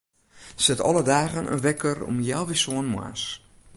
Set alle dagen in wekker om healwei sânen moarns.